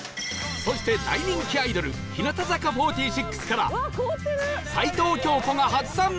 そして大人気アイドル日向坂４６から齊藤京子が初参戦！